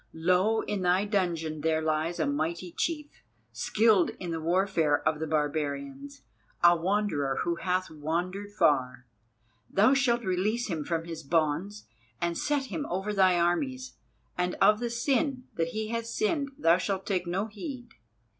Low in thy dungeon there lies a mighty chief, skilled in the warfare of the barbarians, a Wanderer who hath wandered far. Thou shalt release him from his bonds and set him over thy armies, and of the sin that he has sinned thou shalt take no heed.